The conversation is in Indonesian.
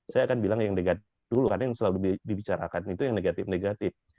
saya akan bilang yang negatif dulu karena yang selalu dibicarakan itu yang negatif negatif